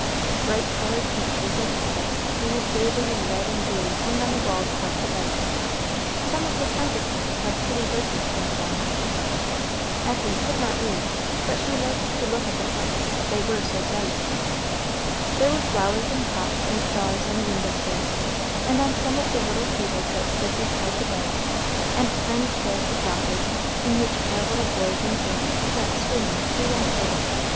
Bright colored pictures and texts painted gaily in red and blue hung on the walls above the beds; some of the counterpanes had pretty verses printed on them. Effie could not read, but she liked to look at the texts, they were so bright. There were flowers in pots and jars on the window sills, and on some of the little tables that stood beside the beds, and tiny chairs with rockers, in which pale little boys and girls sat swinging to and fro.